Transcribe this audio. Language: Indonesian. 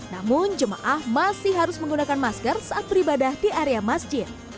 namun jemaah masih harus menggunakan masker saat beribadah di area masjid